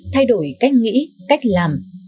thay đổi cách nghĩ cách làm